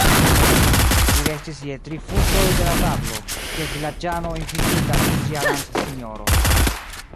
Li restis je tri futoj de la tablo, kiel vilaĝano invitita ĉe sia landsinjoro.